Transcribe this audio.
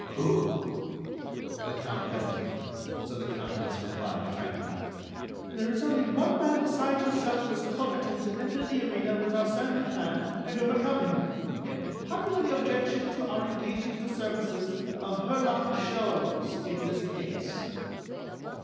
"Who?" The Count hesitated, so the Countess replied, frankly: "There is only one man besides yourself who is competent to enter the arena with Arsène Lupin and overcome him. Have you any objection to our engaging the services of Herlock Sholmes in this case?"